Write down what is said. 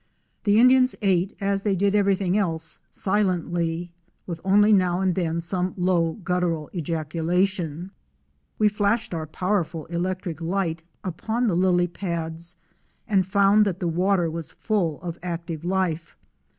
The Indians ate, as they did every Fic. 92. MANATEE BROWSING CLOSE TO THE BANK. thing else, silently, with only now and then some low gut tural ejaculation. We flashed our powerful electric light upon the lily pads and found that the water was full of active life.